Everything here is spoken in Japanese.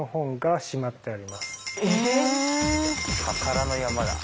宝の山だ。